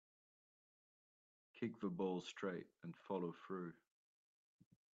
Kick the ball straight and follow through.